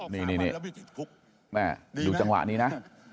นี่แม่ดูจังหวะนี้นะ